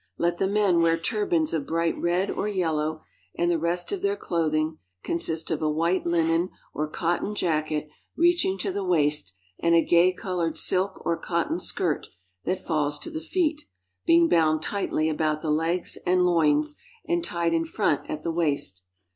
Let the men wear turbans of bright red or yellow, and the rest of their clothing consist of a white linen or cotton jacket reaching to the waist and a gay colored silk or cotton skirt that falls to the feet, being bound tightly about the legs and loins, and tied in front at the waist.